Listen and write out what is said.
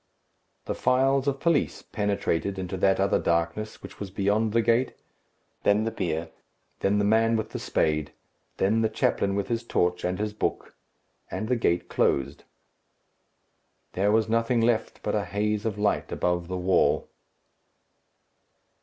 The files of police penetrated into that other darkness which was beyond the gate; then the bier; then the man with the spade; then the chaplain with his torch and his book, and the gate closed. There was nothing left but a haze of light above the wall.